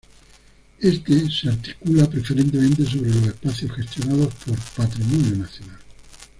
Éste se articula preferentemente sobre los espacios gestionados por Patrimonio Nacional.